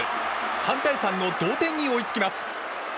３対３の同点に追いつきます。